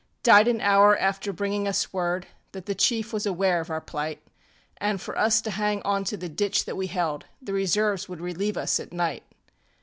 Died an hour after bringing us word That the chief was aware of our plight, AnŌĆÖ for us to hang onto the ditch that we held; The reserves would relieve us at night.